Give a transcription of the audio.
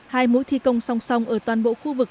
hai mũi thi công song song ở toàn bộ khu vực